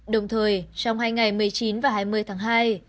đồng thời trong hai ngày một mươi chín và hai mươi tháng hai